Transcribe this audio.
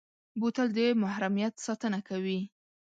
بوتل د محرمیت ساتنه کوي.